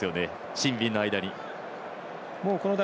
シンビンの間に。